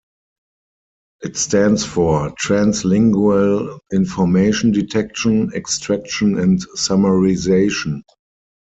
It stands for Translingual Information Detection, Extraction and Summarization.